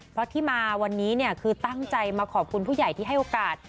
เพราะที่มาวันนี้เนี่ยคือตั้งใจมาขอบคุณผู้ใหญ่ที่ให้โอกาส